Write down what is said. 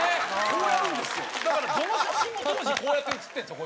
だからどの写真も当時こうやって写ってるんですよ